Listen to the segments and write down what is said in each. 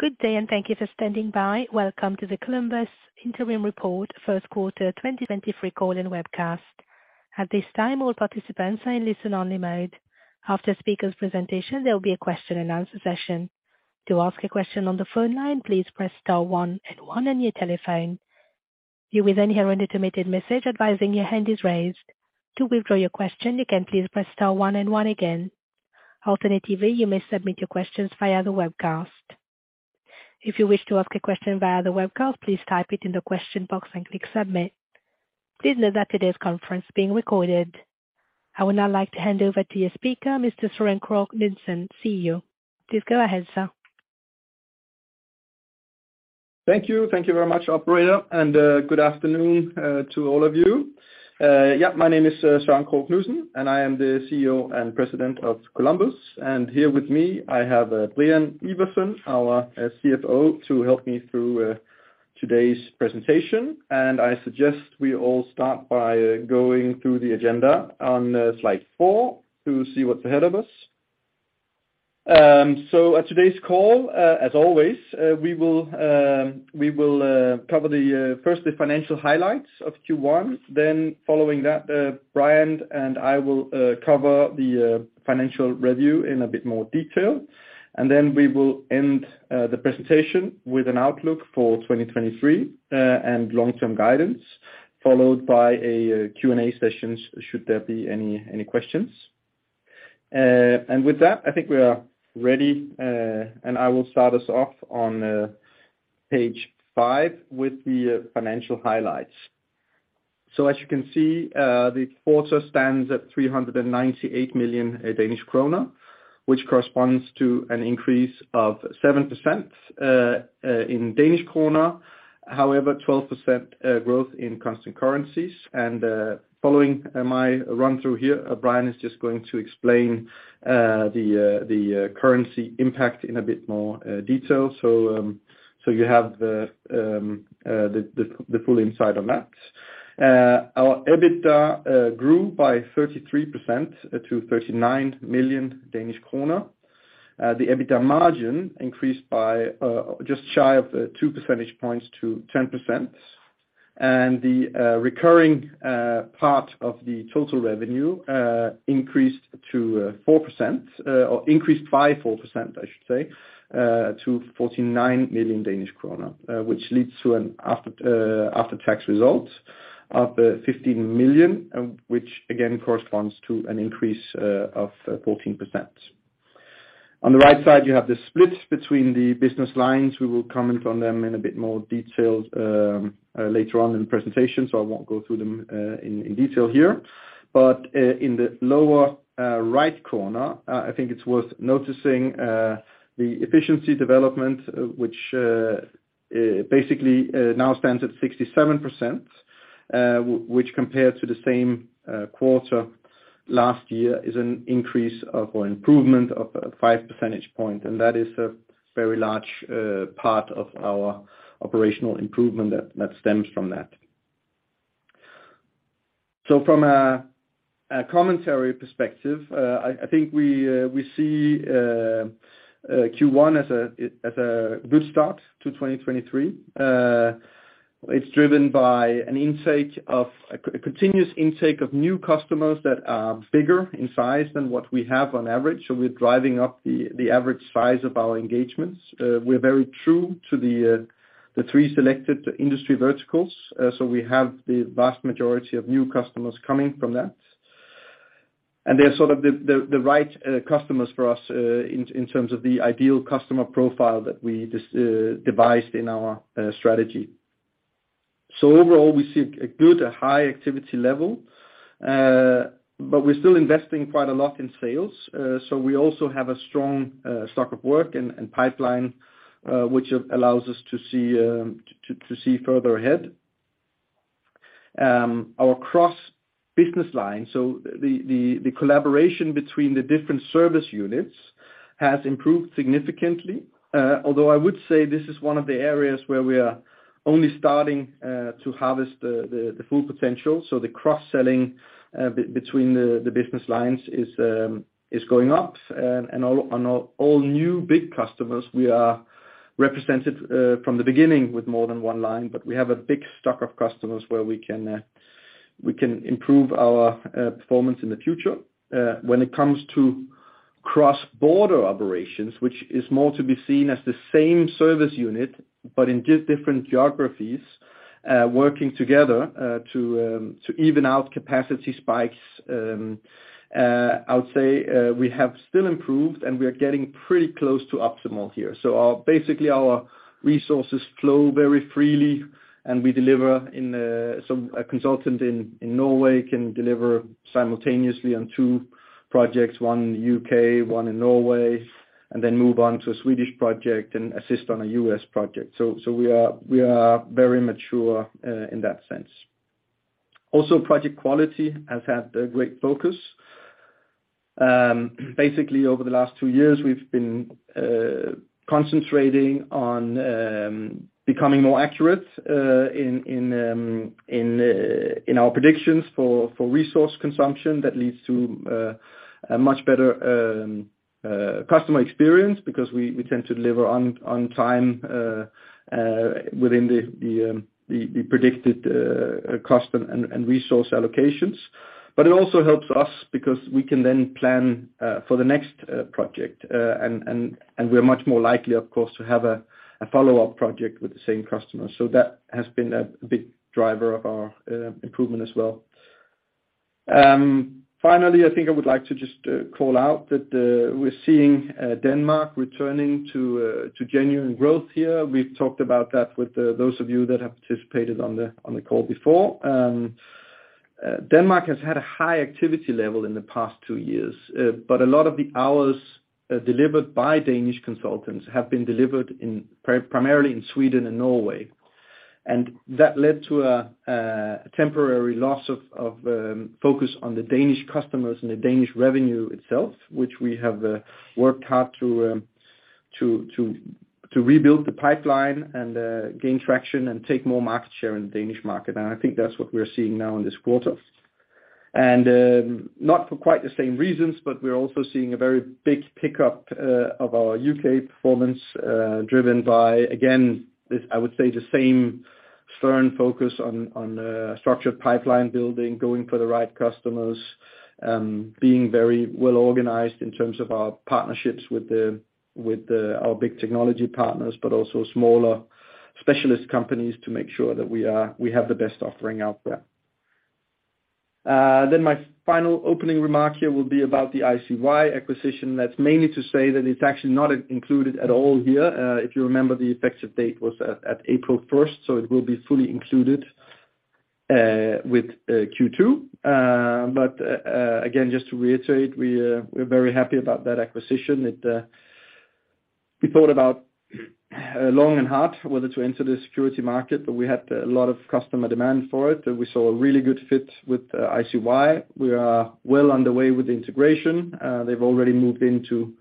Good day, thank you for standing by. Welcome to the Columbus Interim Report First Quarter 2023 Call and Webcast. At this time, all participants are in listen-only mode. After speaker's presentation, there'll be a question and answer session. To ask a question on the phone line, please press star one and one on your telephone. You will then hear an automated message advising your hand is raised. To withdraw your question, you can please press star one and one again. Alternatively, you may submit your questions via the webcast. If you wish to ask a question via the webcast, please type it in the question box and click Submit. Please note that today's conference is being recorded. I would now like to hand over to your speaker, Mr. Søren Krogh Knudsen; CEO. Please go ahead, sir. Thank you. Thank you very much, operator, good afternoon to all of you. My name is Søren Krogh Knudsen, and I am the CEO and President of Columbus. Here with me, I have Brian Iversen, our CFO, to help me through today's presentation. I suggest we all start by going through the agenda on slide 4 to see what's ahead of us. On today's call, as always, we will cover the first the financial highlights of Q1. Following that, Brian and I will cover the financial review in a bit more detail, and then we will end the presentation with an outlook for 2023 and long-term guidance, followed by a Q&A session should there be any questions. And with that, I think we are ready, and I will start us off on page five with the financial highlights. As you can see, the quarter stands at 398 million Danish kroner, which corresponds to an increase of 7% in DKK. However, 12% growth in constant currencies. Following my run through here, Brian is just going to explain the currency impact in a bit more detail. So you have the full insight on that. Our EBITDA grew by 33% to 39 million Danish kroner. The EBITDA margin increased by just shy of 2 percentage points to 10%. The recurring part of the total revenue increased to 4%, or increased by 4%, I should say, to 49 million Danish kroner, which leads to an after-tax result of 15 million, which again corresponds to an increase of 14%. On the right side, you have the split between the business lines. We will comment on them in a bit more detailed later on in the presentation, so I won't go through them in detail here. In the lower right corner, I think it's worth noticing the efficiency development, which basically now stands at 67%, which compared to the same quarter last year, is an increase of or improvement of 5 percentage point. That is a very large part of our operational improvement that stems from that. From a commentary perspective, I think we see Q1 as a good start to 2023. It's driven by an intake of a continuous intake of new customers that are bigger in size than what we have on average. We're driving up the average size of our engagements. We're very true to the three selected industry verticals. We have the vast majority of new customers coming from that. They're sort of the right customers for us in terms of the ideal customer profile that we just devised in our strategy. Overall, we see a good high activity level, but we're still investing quite a lot in sales. We also have a strong stock of work and pipeline, which allows us to see further ahead. Our cross-business line, the collaboration between the different service units has improved significantly. Although I would say this is one of the areas where we are only starting to harvest the full potential. The cross-selling between the business lines is going up. On all new big customers, we are represented from the beginning with more than one line, but we have a big stock of customers where we can improve our performance in the future. When it comes to cross-border operations, which is more to be seen as the same service unit, but in different geographies, working together to even out capacity spikes, I would say, we have still improved, and we are getting pretty close to optimal here. Basically, our resources flow very freely, and we deliver in. A consultant in Norway can deliver simultaneously on two projects, one in U.K., one in Norway, and then move on to a Swedish project and assist on a U.S. project. We are very mature in that sense. Also, project quality has had a great focus. Basically, over the last two years, we've been concentrating on becoming more accurate in our predictions for resource consumption that leads to a much better customer experience, because we tend to deliver on time within the predicted cost and resource allocations. It also helps us because we can then plan for the next project. We're much more likely, of course, to have a follow-up project with the same customer. That has been a big driver of our improvement as well. Finally, I think I would like to just call out that we're seeing Denmark returning to genuine growth here. We've talked about that with those of you that have participated on the call before. Denmark has had a high activity level in the past two years. But a lot of the hours delivered by Danish consultants have been delivered primarily in Sweden and Norway. And that led to a temporary loss of focus on the Danish customers and the Danish revenue itself, which we have worked hard to rebuild the pipeline and gain traction and take more market share in the Danish market. And I think that's what we're seeing now in this quarter. Not for quite the same reasons, but we're also seeing a very big pickup of our U.K. performance driven by, again, this, I would say the same stern focus on structured pipeline building, going for the right customers, being very well organized in terms of our partnerships with the, our big technology partners, but also smaller specialist companies to make sure that we are, we have the best offering out there. My final opening remark here will be about the ICY Security acquisition. That's mainly to say that it's actually not included at all here. If you remember, the effective date was at April 1, so it will be fully included with Q2. Again, just to reiterate, we're very happy about that acquisition. It, we thought about long and hard whether to enter the security market, but we had a lot of customer demand for it. We saw a really good fit with ICY Security. We are well underway with the integration. They've already moved into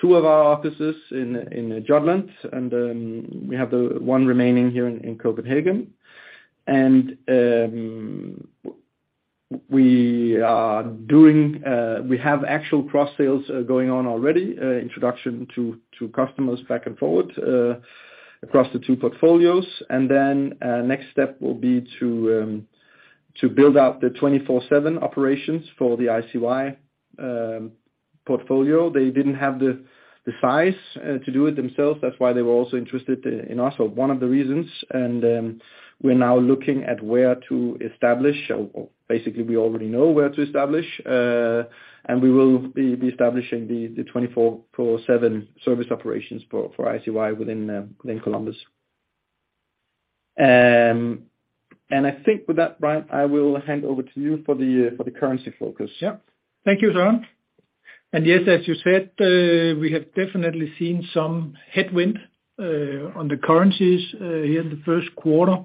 two of our offices in Jutland, and we have the one remaining here in Copenhagen. We are doing, we have actual cross sales going on already, introduction to customers back and forward across the two portfolios. Next step will be to build out the 24/7 operations for the ICY Security portfolio. They didn't have the size to do it themselves. That's why they were also interested in us, or one of the reasons. We're now looking at where to establish, or basically we already know where to establish, and we will be establishing the 24/7 service operations for ICY within Columbus. I think with that, Brian, I will hand over to you for the currency focus. Thank you, Soren. As you said, we have definitely seen some headwind on the currencies here in the first quarter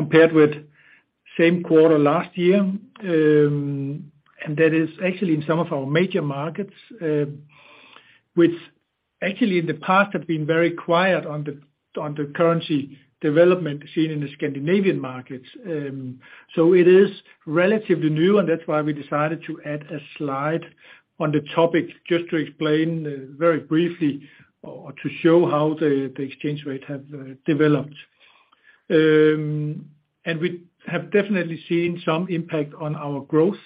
compared with same quarter last year. That is actually in some of our major markets, which have actually been very quiet on the currency development seen in the Scandinavian markets. It is relatively new, and that's why we decided to add a slide on the topic just to explain very briefly or to show how the exchange rate have developed. We have definitely seen some impact on our growth,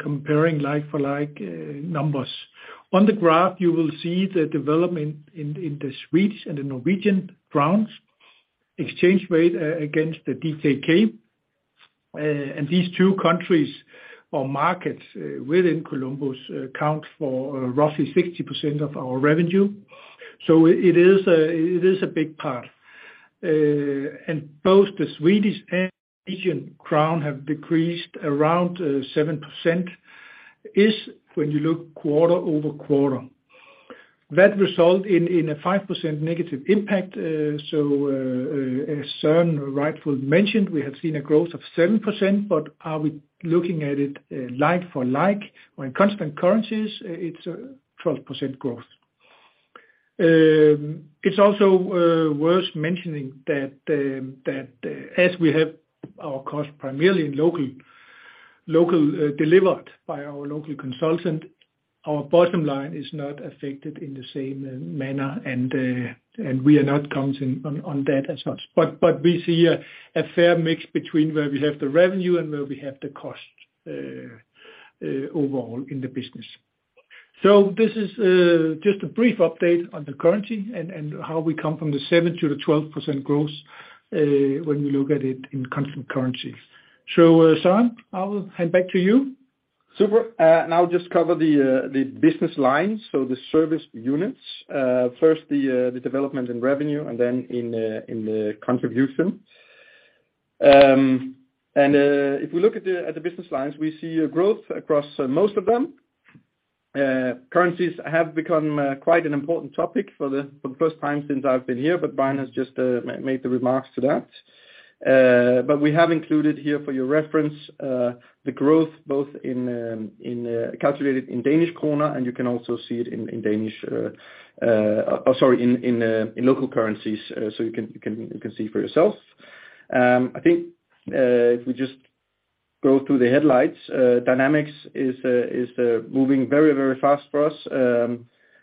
comparing like for like numbers. On the graph, you will see the development in the Swedish and the Norwegian crowns exchange rate against the DKK. And these two countries or markets within Columbus account for roughly 60% of our revenue. It is a big part. And both the Swedish and Norwegian crown have decreased around 7% is when you look quarter-over-quarter. That result in a 5% negative impact. As Soren rightfully mentioned, we have seen a growth of 7%, are we looking at it like for like when constant currencies, it's a 12% growth. It's also worth mentioning that as we have our cost primarily in local delivered by our local consultant, our bottom line is not affected in the same manner and we are not counting on that as such. We see a fair mix between where we have the revenue and where we have the cost overall in the business. This is just a brief update on the currency and how we come from the 7% to 12% growth when we look at it in constant currency. Søren, I will hand back to you. Super. I'll just cover the business lines, so the service units. First the development in revenue and then in the contribution. If we look at the business lines, we see a growth across most of them. Currencies have become quite an important topic for the first time since I've been here, but Brian has just made the remarks to that. We have included here for your reference, the growth both in calculated in Danish kroner, and you can also see it in Danish, sorry, in local currencies, so you can, you can, you can see for yourself. I think, if we just go through the headlights, Dynamics is moving very, very fast for us.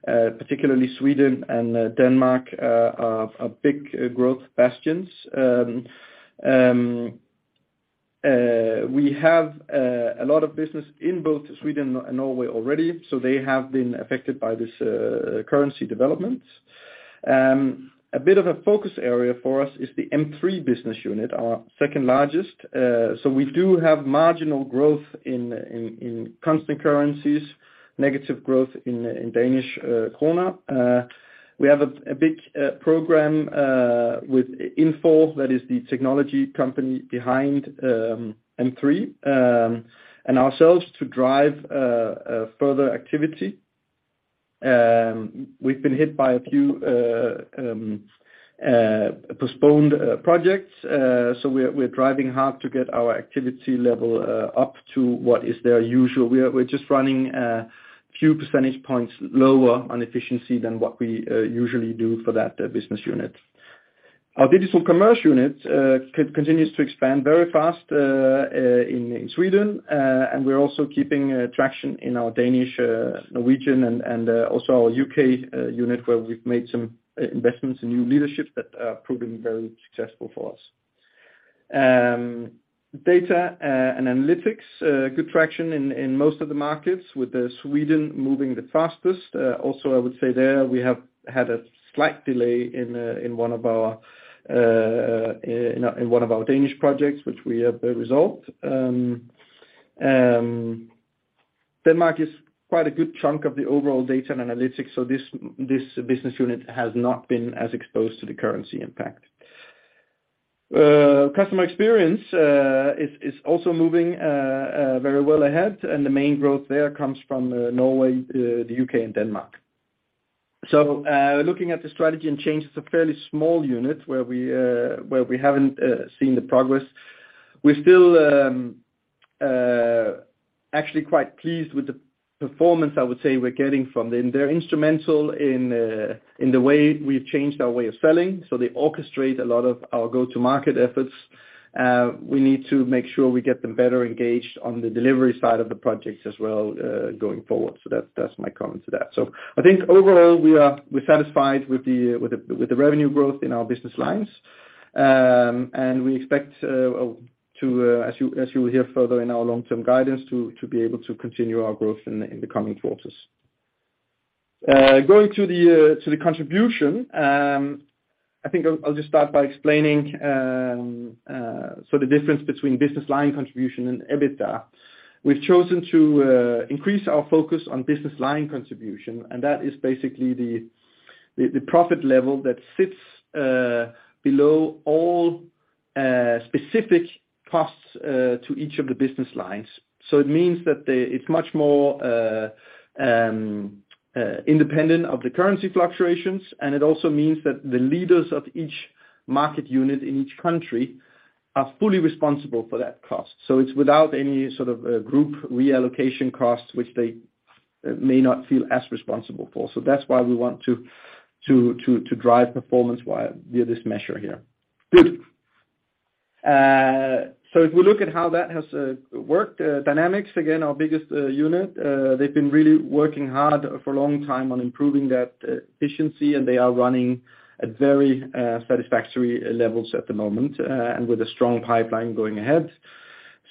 Particularly Sweden and Denmark are big growth bastions. We have a lot of business in both Sweden and Norway already, so they have been affected by this currency development. A bit of a focus area for us is the M3 business unit, our second-largest. We do have marginal growth in constant currencies, negative growth in Danish kroner. We have a big program with Infor, that is the technology company behind M3, and ourselves to drive a further activity. We've been hit by a few postponed projects. We're driving hard to get our activity level up to what is their usual. We're just running few percentage points lower on efficiency than what we usually do for that business unit. Our Digital Commerce unit continues to expand very fast in Sweden. We're also keeping traction in our Danish, Norwegian and also our U.K. unit, where we've made some investments in new leadership that are proving very successful for us. Data & Analytics good traction in most of the markets with Sweden moving the fastest. Also, I would say there we have had a slight delay in one of our Danish projects, which we have resolved. Denmark is quite a good chunk of the overall Data & Analytics, so this business unit has not been as exposed to the currency impact. Customer Experience is also moving very well ahead, and the main growth there comes from Norway, the U.K. and Denmark. Looking at the Strategy & Change, it's a fairly small unit where we haven't seen the progress. We're still actually quite pleased with the performance, I would say, we're getting from them. They're instrumental in the way we've changed our way of selling, so they orchestrate a lot of our go-to-market efforts. We need to make sure we get them better engaged on the delivery side of the projects as well, going forward. That's my comment to that. I think overall, we're satisfied with the revenue growth in our business lines. We expect, well, to, as you will hear further in our long-term guidance, to be able to continue our growth in the coming quarters. Going to the contribution, I think I'll just start by explaining the difference between business line contribution and EBITDA. We've chosen to increase our focus on business line contribution, that is basically the profit level that sits below all specific costs to each of the business lines. It means that the... It's much more independent of the currency fluctuations. It also means that the leaders of each market unit in each country are fully responsible for that cost. It's without any sort of group reallocation costs, which they may not feel as responsible for. That's why we want to drive performance via this measure here. Good. If we look at how that has worked, Dynamics, again, our biggest unit, they've been really working hard for a long time on improving that efficiency, and they are running at very satisfactory levels at the moment, and with a strong pipeline going ahead.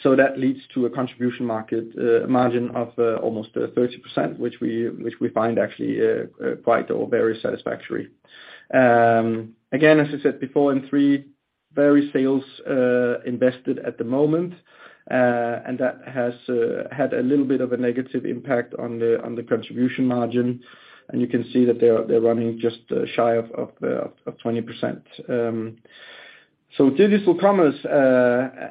That leads to a contribution market margin of almost 30%, which we find actually quite or very satisfactory. Again, as I said before, M3, very sales invested at the moment. That has had a little bit of a negative impact on the contribution margin, and you can see that they're running just shy of 20%. Digital Commerce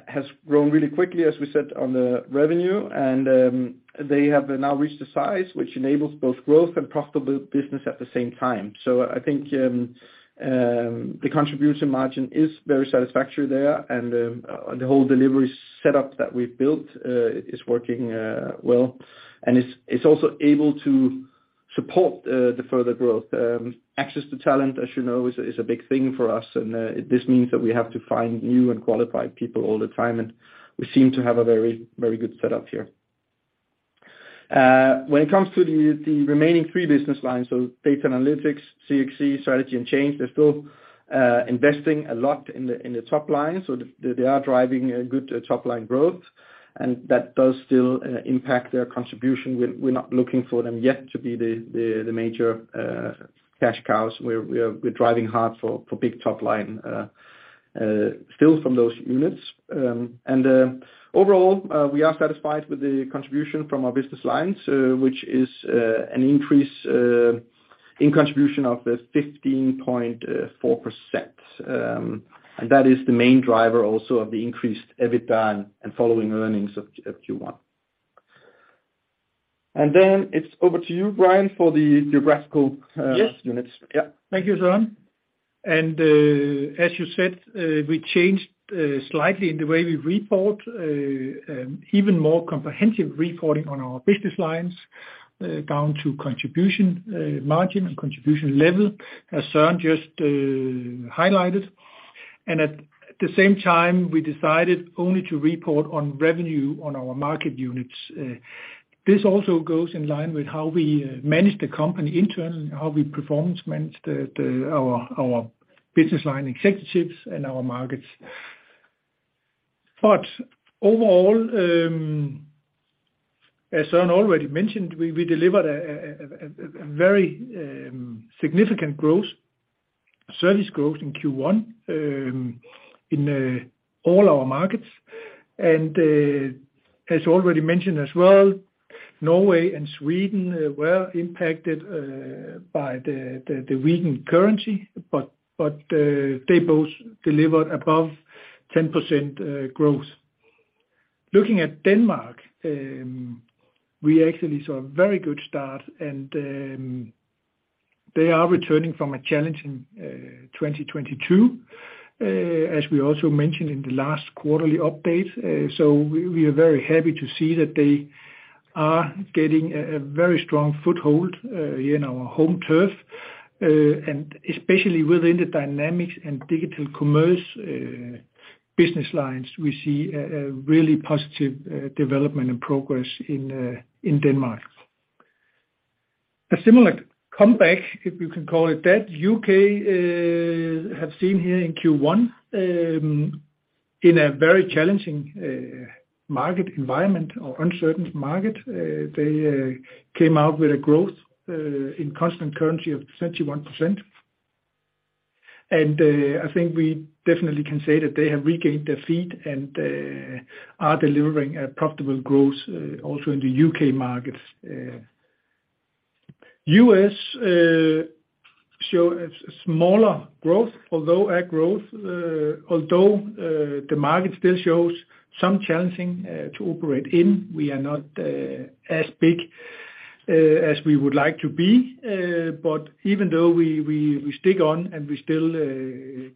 has grown really quickly, as we said, on the revenue, and they have now reached a size which enables both growth and profitable business at the same time. So I think the contribution margin is very satisfactory there and the whole delivery setup that we've built is working well. It's also able to support the further growth. Access to talent, as you know, is a big thing for us, and this means that we have to find new and qualified people all the time, and we seem to have a very, very good setup here. When it comes to the remaining three business lines, so Data & Analytics, Customer Experience, Strategy and Change, they're still investing a lot in the, in the top line, so they are driving a good top-line growth, and that does still impact their contribution. We're not looking for them yet to be the major cash cows. We're driving hard for big top-line fill from those units. Overall, we are satisfied with the contribution from our business lines, which is an increase in contribution of 15.4%. That is the main driver also of the increased EBITDA and following earnings of Q1. It's over to you, Brian, for the geographical. Yes. units. Yeah. Thank you, Søren. As you said, we changed slightly in the way we report even more comprehensive reporting on our business lines down to contribution margin and contribution level, as Søren just highlighted. At the same time, we decided only to report on revenue on our market units. This also goes in line with how we manage the company internally, how we performance manage the our business line executives and our markets. Overall, as Søren already mentioned, we delivered a very significant growth, service growth in Q1 in all our markets. As already mentioned as well, Norway and Sweden were impacted by the weakened currency, but they both delivered above 10% growth. Looking at Denmark, we actually saw a very good start, and they are returning from a challenging 2022, as we also mentioned in the last quarterly update. We are very happy to see that they are getting a very strong foothold here in our home turf. Especially within the Dynamics and Digital Commerce business lines, we see a really positive development and progress in Denmark. A similar comeback, if you can call it that, UK have seen here in Q1 in a very challenging market environment or uncertain market. They came out with a growth in constant currency of 31%. I think we definitely can say that they have regained their feet and are delivering a profitable growth, also in the U.K. markets. U.S. show a smaller growth, although a growth, although the market still shows some challenging to operate in. We are not as big as we would like to be. Even though we stick on and we still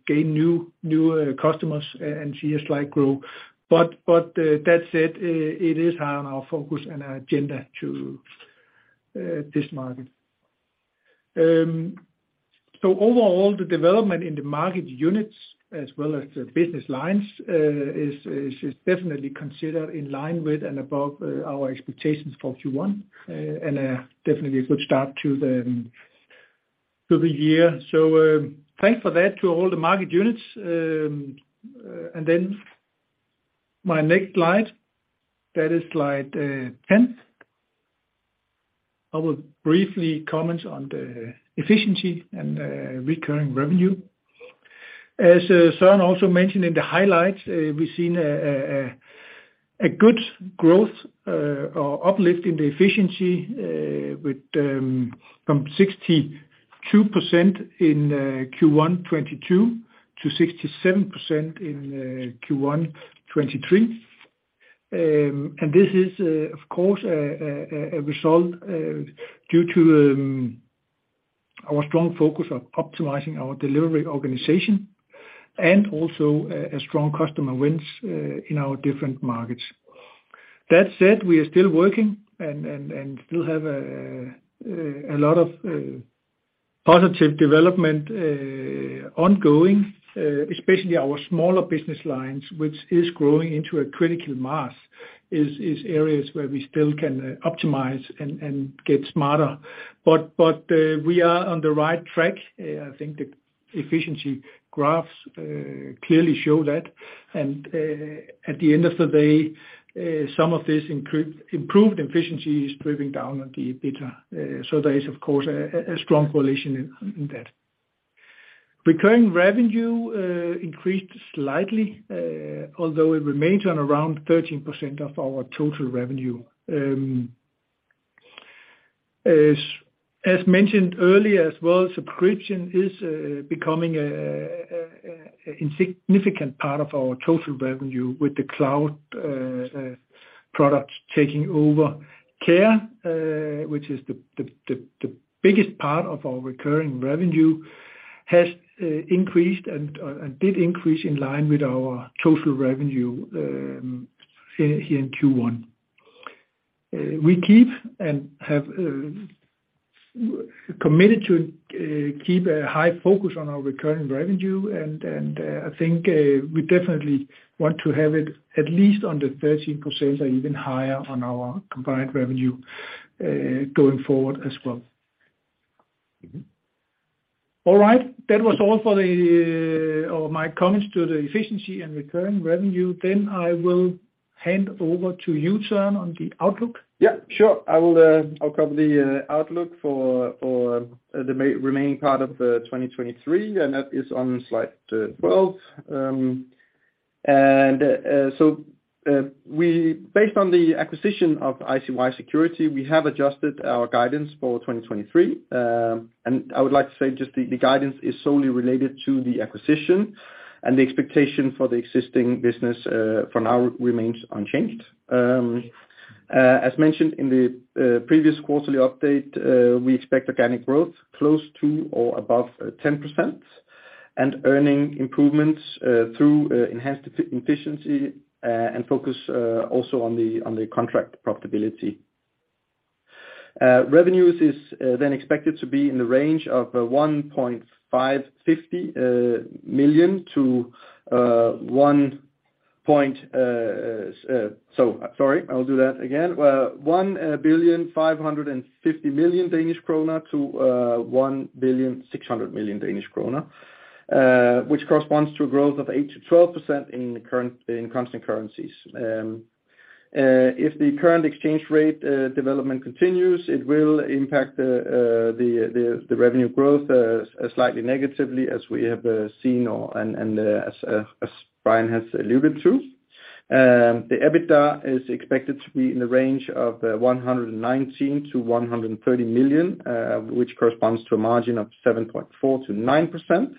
gain new customers and see a slight growth. That said, it is high on our focus and our agenda to this market. Overall, the development in the market units as well as the business lines is definitely considered in line with and above our expectations for Q1 and definitely a good start to the year. Thanks for that to all the market units. My next slide, that is slide 10. I will briefly comment on the efficiency and recurring revenue. As Søren also mentioned in the highlights, we've seen a good growth or uplift in the efficiency with from 62% in Q1 2022 to 67% in Q1 2023. This is of course a result due to our strong focus on optimizing our delivery organization and also a strong customer wins in our different markets. That said, we are still working and still have a lot of positive development ongoing, especially our smaller business lines, which is growing into a critical mass, is areas where we still can optimize and get smarter. We are on the right track. I think the efficiency graphs clearly show that. At the end of the day, some of this improved efficiency is driving down on the EBITDA. There is, of course, a strong correlation in that. Recurring revenue increased slightly, although it remains on around 13% of our total revenue. As mentioned earlier as well, subscription is becoming a significant part of our total revenue with the cloud products taking over. Care, which is the biggest part of our recurring revenue, has increased and did increase in line with our total revenue here in Q1. We keep and have committed to keep a high focus on our recurring revenue, and I think we definitely want to have it at least under 13% or even higher on our combined revenue going forward as well. All right. That was all for my comments to the efficiency and recurring revenue. I will hand over to you, Søren, on the outlook. Yeah, sure. I will, I'll cover the outlook for the remaining part of 2023, and that is on slide 12. Based on the acquisition of ICY Security, we have adjusted our guidance for 2023. I would like to say just the guidance is solely related to the acquisition and the expectation for the existing business for now remains unchanged. As mentioned in the previous quarterly update, we expect organic growth close to or above 10% and earning improvements through enhanced efficiency and focus also on the contract profitability. Revenues is expected to be in the range of 1.550 million to... Sorry, I'll do that again. 1.55 billion to 1.6 billion, which corresponds to a growth of 8%-12% in current, in constant currencies. If the current exchange rate development continues, it will impact the revenue growth slightly negatively as we have seen as Brian has alluded to. The EBITDA is expected to be in the range of 119 million-130 million, which corresponds to a margin of 7.4%-9%.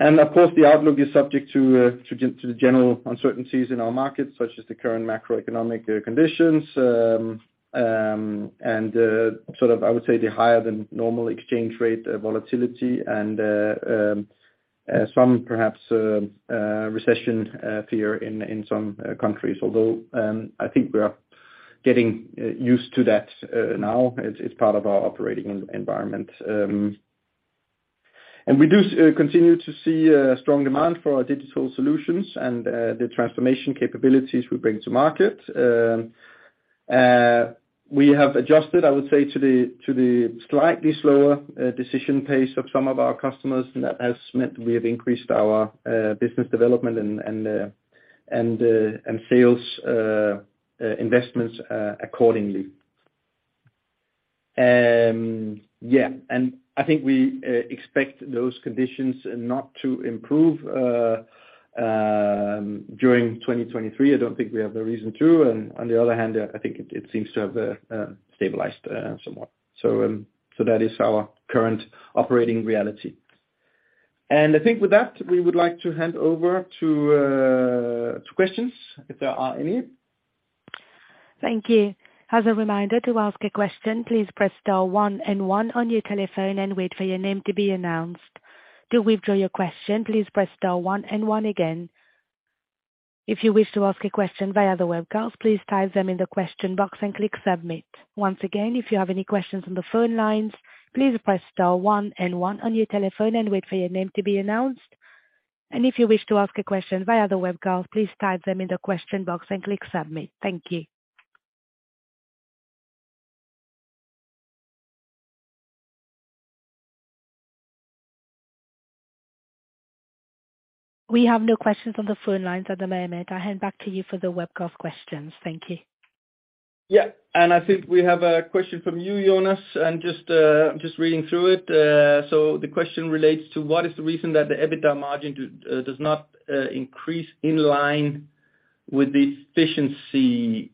Of course, the outlook is subject to the general uncertainties in our markets, such as the current macroeconomic conditions, and I would say the higher than normal exchange rate volatility and some perhaps recession fear in some countries. Although, I think we are getting used to that now as it's part of our operating environment. We do continue to see strong demand for our digital solutions and the transformation capabilities we bring to market. We have adjusted, I would say, to the slightly slower decision pace of some of our customers, and that has meant we have increased our business development and sales investments accordingly. Yeah, I think we expect those conditions not to improve during 2023. I don't think we have the reason to. On the other hand, I think it seems to have stabilized somewhat. That is our current operating reality. I think with that, we would like to hand over to questions if there are any. Thank you. As a reminder to ask a question, please press star 1 and 1 on your telephone and wait for your name to be announced. To withdraw your question, please press star 1 and 1 again. If you wish to ask a question via the web call, please type them in the question box and click submit. Once again, if you have any questions on the phone lines, please press star 1 and 1 on your telephone and wait for your name to be announced. If you wish to ask a question via the web call, please type them in the question box and click submit. Thank you. We have no questions on the phone lines at the moment. I'll hand back to you for the web call questions. Thank you. I think we have a question from you, Jonas, just reading through it. The question relates to what is the reason that the EBITDA margin does not increase in line with the efficiency?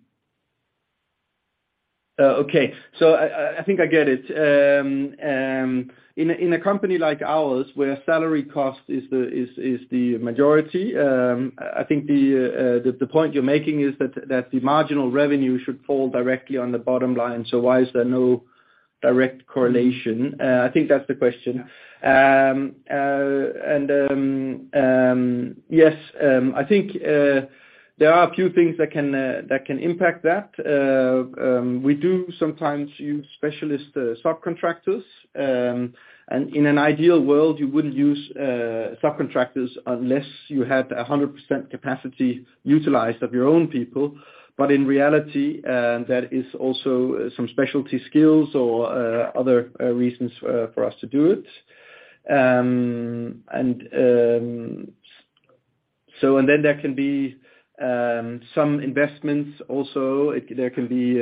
Okay. I think I get it. In a company like ours where salary cost is the majority, I think the point you're making is that the marginal revenue should fall directly on the bottom line. Why is there no direct correlation? I think that's the question. Yes, I think there are a few things that can impact that. We do sometimes use specialist subcontractors. In an ideal world, you wouldn't use subcontractors unless you had 100% capacity utilized of your own people. In reality, that is also some specialty skills or other reasons for us to do it. Then there can be some investments also. There can be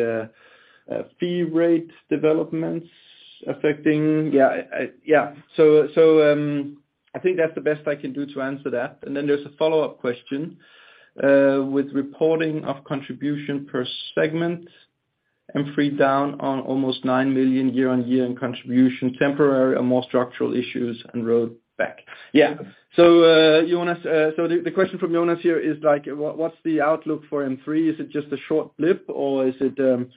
fee rate developments affecting. Yeah. I think that's the best I can do to answer that. Then there's a follow-up question with reporting of contribution per segment and freed down on almost 9 million year-on-year in contribution, temporary or more structural issues and road back. Yeah. Jonas, the question from Jonas here is like, what's the outlook for M3? Is it just a short blip or is it a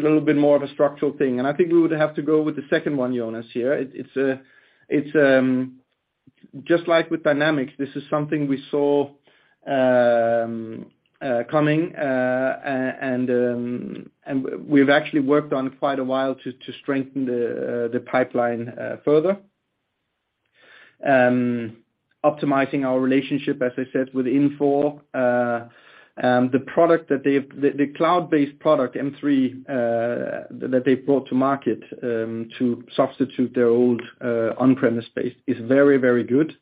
little bit more of a structural thing? I think we would have to go with the second one, Jonas, here. It's just like with Dynamics, this is something we saw, coming, and we've actually worked on it quite a while to strengthen the pipeline further. Optimizing our relationship, as I said, with Infor. The cloud-based product, M3, that they've brought to market, to substitute their old, on-premise space is very good.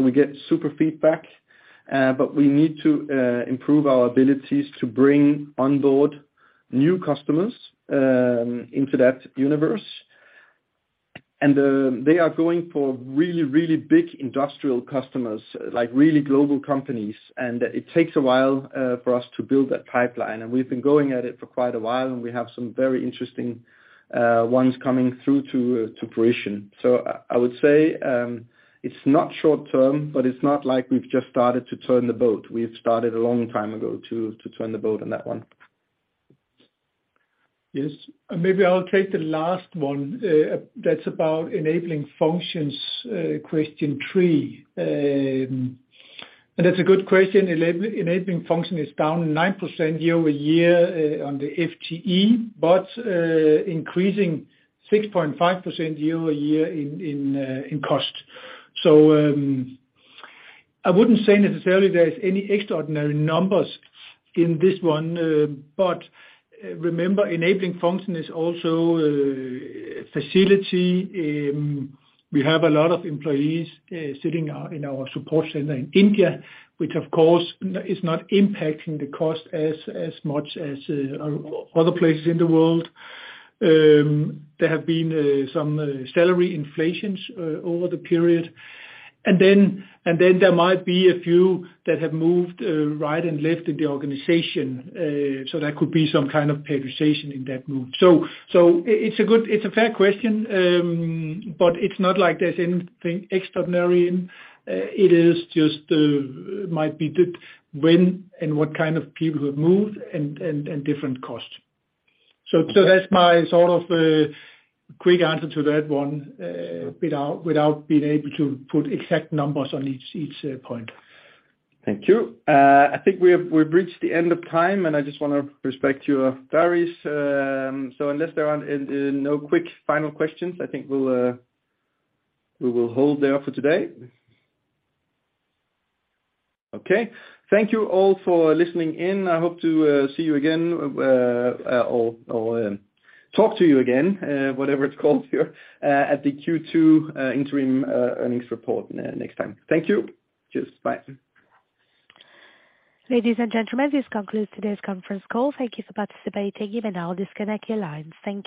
We get super feedback, but we need to improve our abilities to bring on board new customers into that universe. They are going for really big industrial customers, like really global companies. It takes a while, for us to build that pipeline. We've been going at it for quite a while, and we have some very interesting, ones coming through to fruition. I would say, it's not short-term, but it's not like we've just started to turn the boat. We've started a long time ago to turn the boat on that one. Yes. Maybe I'll take the last one. That's about enabling functions, question 3. It's a good question. Enabling function is down 9% year-over-year on the FTE, but increasing 6.5% year-over-year in cost. I wouldn't say necessarily there is any extraordinary numbers in this one. Remember, enabling function is also facility. We have a lot of employees sitting in our support center in India, which of course is not impacting the cost as much as other places in the world. There have been some salary inflations over the period. There might be a few that have moved right and left in the organization. That could be some kind of pay raise in that move. It's a fair question, but it's not like there's anything extraordinary. It is just, might be that when and what kind of people have moved and different costs. That's my sort of, quick answer to that one, without being able to put exact numbers on each point. Thank you. I think we've reached the end of time, I just wanna respect your diaries. Unless there are no quick final questions, I think we will hold there for today. Okay. Thank you all for listening in. I hope to see you again or talk to you again, whatever it's called here, at the Q2 interim earnings report next time. Thank you. Cheers. Bye. Ladies and gentlemen, this concludes today's conference call. Thank you for participating. I'll disconnect your lines. Thank you.